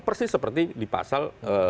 persis seperti di pasal